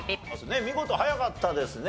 見事早かったですね。